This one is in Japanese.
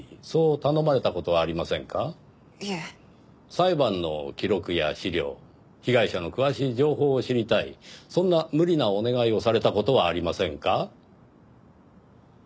裁判の記録や資料被害者の詳しい情報を知りたいそんな無理なお願いをされた事はありませんか？